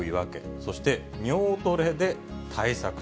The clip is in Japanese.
そして尿トレで対策。